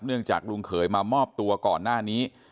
ลุงจากลุงเขยมามอบตัวก่อนหน้านี้